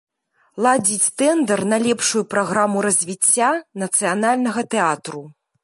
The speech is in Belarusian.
Ладзіць тэндар на лепшую праграму развіцця нацыянальнага тэатру.